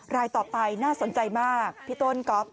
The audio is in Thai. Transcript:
รายต่อไปน่าสนใจมากพี่ต้นก๊อฟ